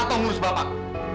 atau ngurus bapak